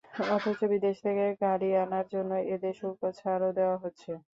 অথচ, বিদেশ থেকে গাড়ি আনার জন্য এদের শুল্ক ছাড়ও দেওয়া হচ্ছে।